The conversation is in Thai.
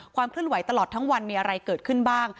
เคลื่อนไหวตลอดทั้งวันมีอะไรเกิดขึ้นบ้าง